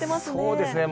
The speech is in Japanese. そうですね。